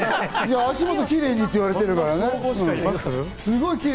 足元、キレイにって言われてるからね！